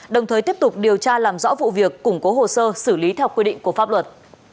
đồng thời tiếp tục điều tra làm rõ vụ việc củng cố hồ sơ xử lý theo quy định của pháp luật